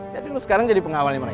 jadi lo sekarang jadi pengawalnya mereka